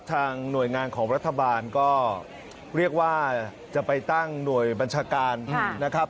ทางหน่วยงานของรัฐบาลก็เรียกว่าจะไปตั้งหน่วยบัญชาการนะครับ